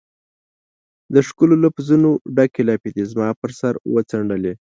د ښکلو لفظونو ډکي لپې دي زما پر سر وڅنډلي